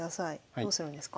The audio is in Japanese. どうするんですか？